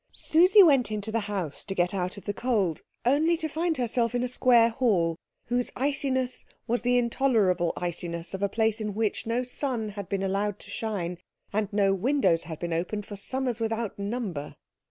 Susie went into the house to get out of the cold, only to find herself in a square hall whose iciness was the intolerable iciness of a place in which no sun had been allowed to shine and no windows had been opened for summers without number.